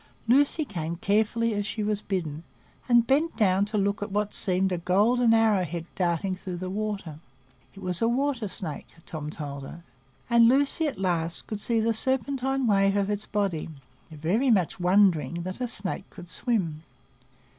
Lucy came carefully as she was bidden, and bent down to look at what seemed a golden arrow head darting through the water. It was a water snake, Tom told her; and Lucy at last could see the serpentine wave of its body, very much wondering that a snake could swim.